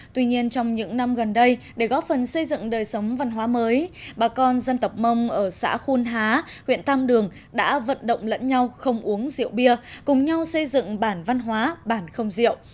tuy nhiên trong những năm gần đây để góp phần xây dựng đời sống văn hóa mới bà con dân tộc mông ở xã khuôn há huyện tam đường đã vận động lẫn nhau không uống rượu bia cùng nhau xây dựng bản văn hóa bản không diệu